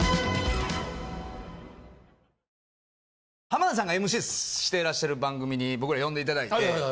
浜田さんがＭＣしてらっしゃる番組に僕ら呼んで頂いて。